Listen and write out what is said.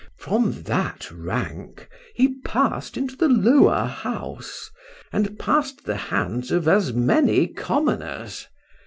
From that rank he pass'd into the lower house, and pass'd the hands of as many commoners.